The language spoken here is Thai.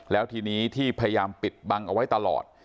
แล้วทีนี้ที่พยายามปิดบังเอาไว้ตลอด